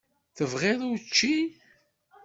Tebɣiḍ učči?